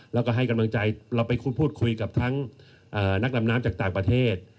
แล้วก็ให้กำลังใจเราไปพูดคุยกับทั้งนักดำน้ำจากต่างประเทศ